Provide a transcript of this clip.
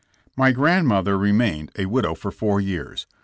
My grandmother remained a widow for four years.